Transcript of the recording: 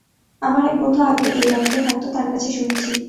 আমার এক বন্ধু আগে এই বাড়িতে থাকত, তার কাছে শুনেছি।